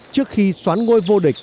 trước khi xoán ngôi vô địch